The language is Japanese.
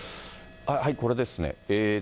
これですね。